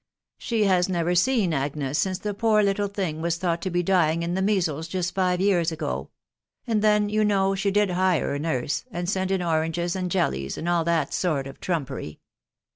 " She M never seen Agnes since the poor little thing was thought to M dying in the measles, just five years ago ; and then, you JnoWj she did hire a nurse, and send in oranges and jellies, and EH that sort of trumpery